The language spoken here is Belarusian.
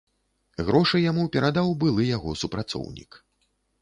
Грошы яму перадаў былы яго супрацоўнік.